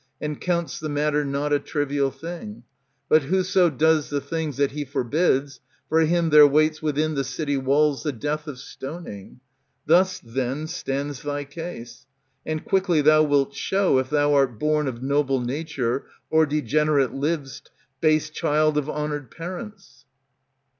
And counts the matter not a trivial thing ; But whoso does the things that he forbids, For him there waits within the city's walls The death of stoning. Thus, then, stands thy case ; And quickly thou wilt show, if thou art born Of noble nature, or degenerate liv'st, Base child of honoured parents.